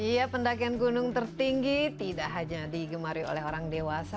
iya pendakian gunung tertinggi tidak hanya digemari oleh orang dewasa